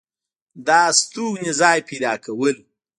دا ستوګنې ځاے پېدا كول